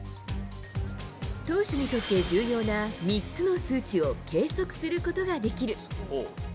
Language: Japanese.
投手にとって重要な３つの数値を計測することができる。